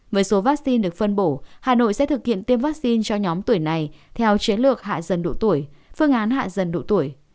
với số vaccine được phân bổ hà nội sẽ thực hiện tiêm vaccine cho nhóm tuổi này theo chiến lược hạ dần độ tuổi phương án hạ dần độ tuổi